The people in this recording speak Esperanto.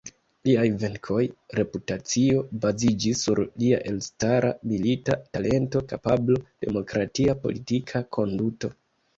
Liaj venkoj, reputacio baziĝis sur lia elstara milita talento, kapablo, demokratia politika konduto.